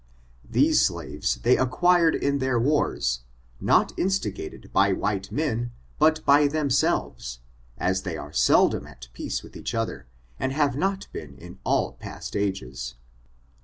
These slaves they acquired in their wars, not in stigated by white men, but by themselves, as they are seldom at peace with each other, and have not been in all past ages.